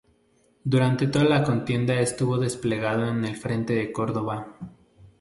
Durante toda la contienda estuvo desplegado en el frente de Córdoba.